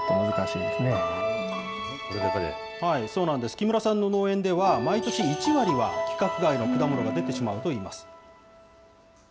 木村さんの農園では、毎年１割は規格外の果物が出てしまうといいます。